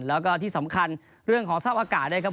แล้วก็ที่สำคัญเรื่องของสภาพอากาศนะครับ